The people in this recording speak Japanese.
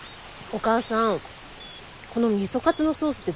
お母さん！